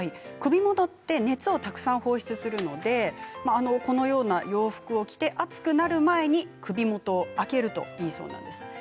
首元はたくさん熱を放出するのでこのような洋服を着て暑くなる前に首元を開けるといいそうなんです。